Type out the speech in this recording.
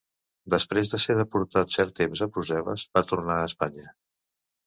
Després de ser deportat cert temps a Brussel·les va tornar a Espanya.